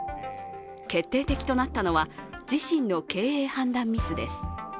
決定的となったのは自身の経営判断ミスです。